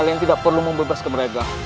kalian tidak perlu membebaskan mereka